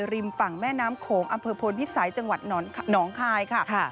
ริมฝั่งแม่น้ำโขงอำเภอพลพิสัยจังหวัดหนองคายค่ะ